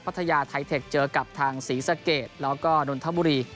พัทยาไทเทคเจอกับทางศรีสเกษแล้วก็นทบุรี